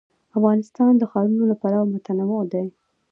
افغانستان د ښارونه له پلوه متنوع دی.